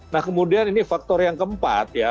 nah kemudian ini faktor yang keempat ya